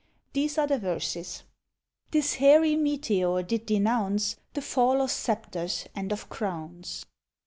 These are the verses: This HAIRY METEOR did denounce The fall of sceptres and of crowns.